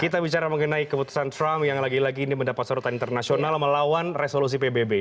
kita bicara mengenai keputusan trump yang lagi lagi ini mendapat sorotan internasional melawan resolusi pbb